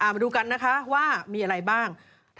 มาดูกันนะคะว่ามีอะไรบ้าง